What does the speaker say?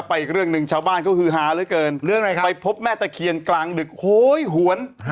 อีกเรื่องหนึ่งที่ชาวบ้านอึดเกินไปพบแม่ตะเคียนกลางดึกหวน